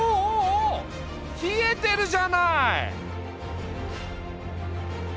冷えてるじゃない！